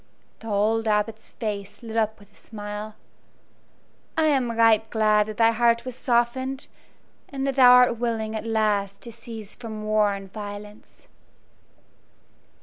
The old Abbot's face lit up with a smile. "I am right glad that thy heart was softened, and that thou art willing at last to cease from war and violence."